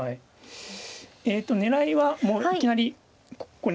えと狙いはもういきなりここに。